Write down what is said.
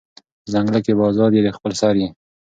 په ځنگله کی به آزاد یې د خپل سر یې